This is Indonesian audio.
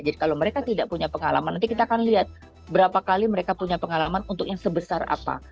jadi kalau mereka tidak punya pengalaman nanti kita akan lihat berapa kali mereka punya pengalaman untuk yang sebesar apa